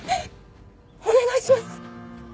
お願いします！